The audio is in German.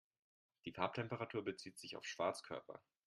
Die Farbtemperatur bezieht sich auf Schwarzkörper.